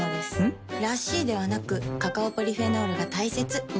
ん？らしいではなくカカオポリフェノールが大切なんです。